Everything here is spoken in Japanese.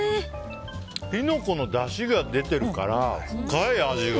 キノコのだしが出てるから深い、味が。